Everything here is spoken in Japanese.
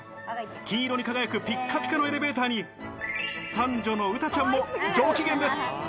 金色に輝くピッカピカのエレベーターに三女の美詩ちゃんも上機嫌です。